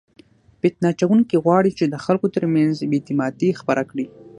فتنه اچونکي غواړي چې د خلکو ترمنځ بې اعتمادي خپره کړي.